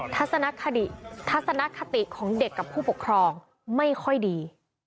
ทัศนคติของเด็กกับผู้ปกครองไม่ค่อยดี